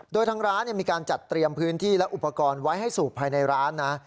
โดยทางร้านมีการจัดเตรียมพื้นที่และอุปกรณ์ไว้ให้สูบภายในร้านนะ